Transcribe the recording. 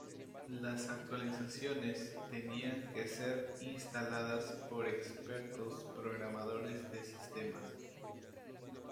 Las actualizaciones tenían que ser instaladas por expertos programadores de sistemas.